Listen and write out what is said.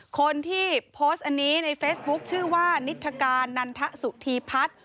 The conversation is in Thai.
คนที่โพสต์อันนี้ในเฟซบุ๊คชื่อว่านิทธการนันทสุธีพัฒน์